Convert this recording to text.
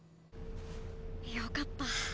よかった。